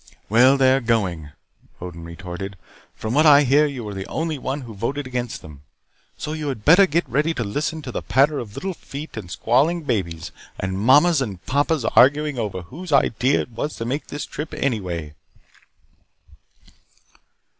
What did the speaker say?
"Well, they're going," Odin retorted. "From what I hear, you were the only one who voted against them. So you had better get ready to listen to the patter of little feet, and squalling babies, and Mamas and Papas arguing over whose idea it was to make the trip anyway."